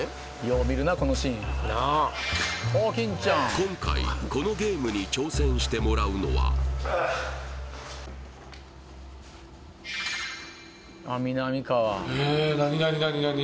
今回このゲームに挑戦してもらうのはえー何何何何？